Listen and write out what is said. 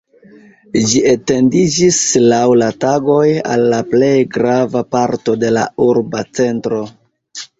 Ĝi etendiĝis, laŭ la tagoj, al la plej grava parto de la urba centro.